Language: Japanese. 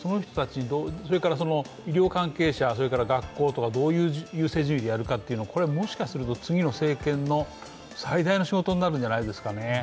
それから、医療関係者、学校とか、どういう優先順位でやるかもしかすると次の政権の最大の仕事になるんじゃないですかね。